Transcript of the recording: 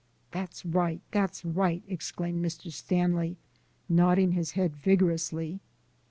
"That's right, that's right," exclaimed Mr. Stanley, nodding his head vigorously.